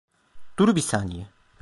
Dur bir saniye.